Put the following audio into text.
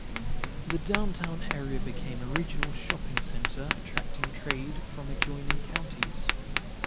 The downtown area became a regional shopping center attracting trade from adjoining counties.